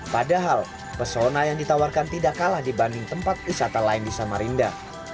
padahal pesona yang ditawarkan tidak kalah dibanding tempat wisata lain di samarinda